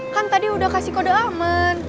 kan tadi udah kasih kode aman